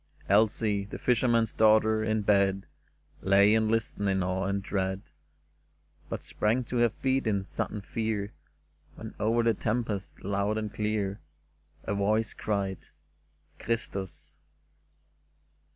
Elsie, the fisherman's daughter, in bed Lay and listened in awe and dread, But sprang to her feet in sudden fear When over the tempest, loud and clear, A voice cried, '' Christus